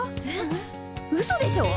うそでしょ？